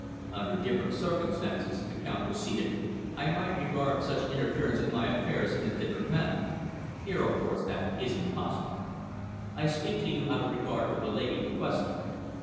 "Under different circumstances," the Count proceeded, "I might regard such interference in my affairs in a different manner. Here, of course, that is impossible. I speak to you out of regard for the lady in question.